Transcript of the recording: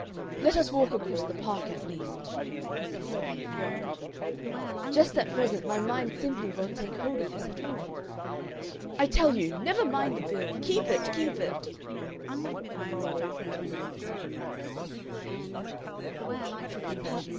"Let us walk across the Park at least," he said to Ann Veronica. "Just at present my mind simply won't take hold of this at all.... I tell you never mind the bill. Keep it! Keep it!"